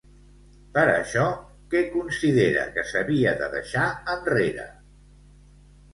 Per això, què considera que s'havia de deixar enrere?